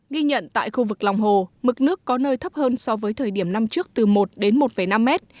ghi nhận tại khu vực lòng hồ mực nước có nơi thấp hơn so với thời điểm năm trước từ một đến một năm mét